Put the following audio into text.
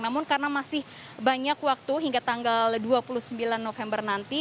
namun karena masih banyak waktu hingga tanggal dua puluh sembilan november nanti